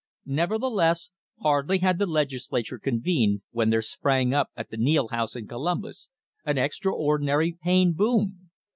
Nevertheless, hardly had the Legisla ture convened when there sprang up at the Neil House in Columbus an extraordinary Payne boom.